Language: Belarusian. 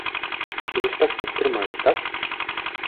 І вось так падтрымалі, так?